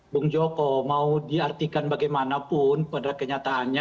bung joko mau diartikan bagaimanapun pada kenyataannya